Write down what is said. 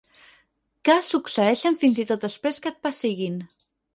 Que succeeixen fins i tot després que et pessiguin.